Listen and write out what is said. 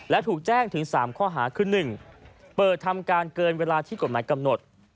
และถูกแจ้งถึง๓ข้อหาคือ๑เปิดทำการเกินเวลาที่กฎหมายกำหนด